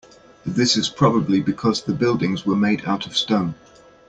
This is probably because the buildings were made out of stone.